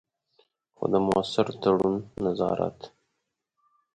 خو د مؤثر تړون، نظارت.